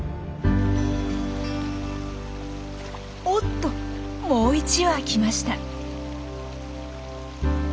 おっともう一羽来ました。